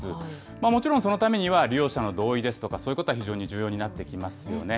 もちろん、そのためには利用者の同意ですとか、そういうことは非常に重要になってきますよね。